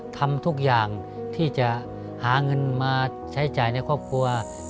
ทำทุกอย่างที่จะหาเงินมาใช้จ่ายในครอบครัว